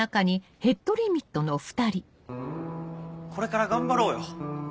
これから頑張ろうよ。